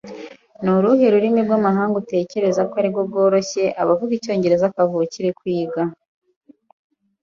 Ni uruhe rurimi rw'amahanga utekereza ko arirwo rworoheye abavuga Icyongereza kavukire kwiga?